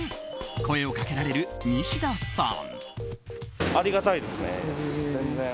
声をかけられるニシダさん。